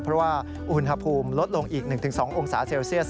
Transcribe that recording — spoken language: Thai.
เพราะว่าอุณหภูมิลดลงอีก๑๒องศาเซลเซียส